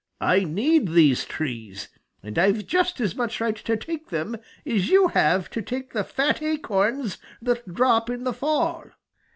I need these trees, and I've just as much right to take them as you have to take the fat acorns that drop in the fall."